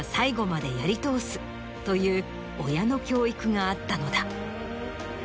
という親の教育があったのだ。